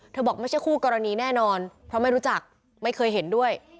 บอกไม่ใช่คู่กรณีแน่นอนเพราะไม่รู้จักไม่เคยเห็นด้วย